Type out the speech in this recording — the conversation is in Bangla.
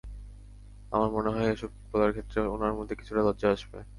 আমার মনে হয়, এসব বলার ক্ষেত্রে ওনার মধ্যে কিছুটা লজ্জা আসবে।